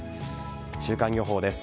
週間予報です。